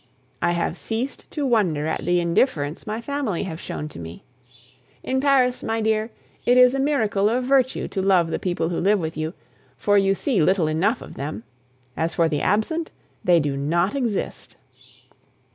I have ceased to wonder at the indifference my family have shown to me. In Paris, my dear, it is a miracle of virtue to love the people who live with you, for you see little enough of them; as for the absent they do not exist!